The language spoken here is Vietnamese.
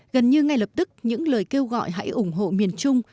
gần như ngay lập tức những lời kêu gọi hãy ủng hộ miền trung